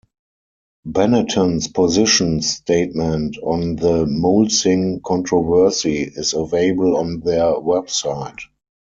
Benetton's position statement on the mulesing controversy is available on their website.